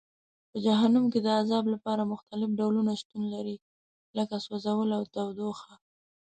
په جهنم کې د عذاب لپاره مختلف ډولونه شتون لري لکه سوځول او تودوخه.